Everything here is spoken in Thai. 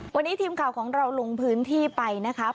วันนี้ทีมข่าวของเราลงพื้นที่ไปนะครับ